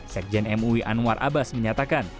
sekjen mui anwar abbas menyatakan